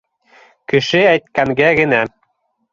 Кеше әйткәнгә генә...